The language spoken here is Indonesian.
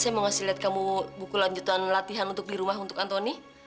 saya mau kasih liat kamu buku lanjutan latihan untuk di rumah untuk antoni